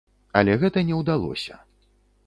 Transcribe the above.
Але гэта не ўдалося.